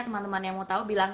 teman teman yang mau tahu bilang